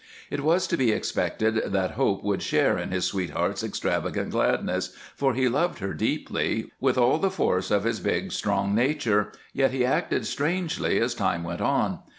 It was to be expected that Hope would share in his sweetheart's extravagant gladness, for he loved her deeply, with all the force of his big, strong nature, yet he acted strangely as time went on.